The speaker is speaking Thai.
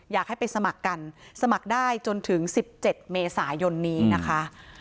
อยากให้ไปสมัครกันสมัครได้จนถึง๑๗เมษายนนี้นะคะ